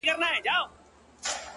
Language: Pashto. ما خو گيله ترې په دې په ټپه کي وکړه.